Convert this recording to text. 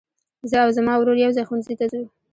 زه او زما ورور يوځای ښوونځي ته ځو.